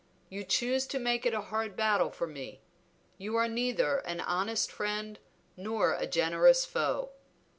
You choose to make it a hard battle for me; you are neither an honest friend nor a generous foe.